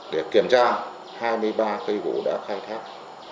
để kiểm tra hai mươi ba cây gỗ đã khai thác